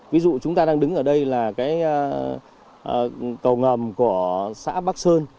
ví dụ chúng ta đang đứng ở đây là cái cầu ngầm của xã bắc sơn